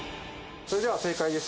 それでは正解です。